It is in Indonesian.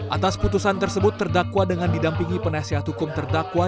atas putusan tersebut terdakwa dengan didampingi penasihat hukum terdakwa